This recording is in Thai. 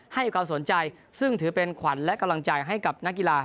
ให้ความสนใจซึ่งถือเป็นขวัญและกำลังใจให้กับนักกีฬา